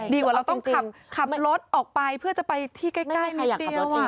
ดีกว่าเราต้องขับรถออกไปเพื่อจะไปที่ใกล้